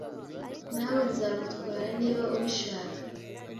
Na we Nzagutwara niba ubishaka